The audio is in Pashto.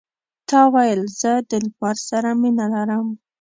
تا ویل زه د لمر سره مینه لرم.